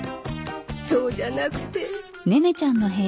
そうじゃなくて。